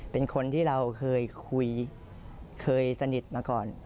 เป็นคนที่เราเคยคุยเคยสนิทมาก่อน